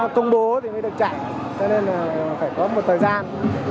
công bố thì mới được chạy cho nên là phải có một thời gian